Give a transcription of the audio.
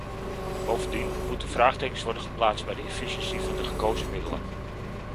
Bovendien moeten vraagtekens worden geplaatst bij de efficiency van de gekozen middelen.